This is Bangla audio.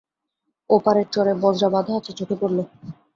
ও পারের চরে বজরা বাঁধা আছে, চোখে পড়ল।